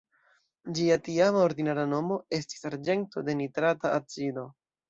Ĝia tiama ordinara nomo estis arĝento de nitrata acido.